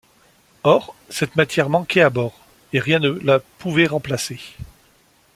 Or, cette matière manquait à bord, et rien ne la pouvait remplacer.